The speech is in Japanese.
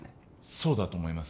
そうだと思います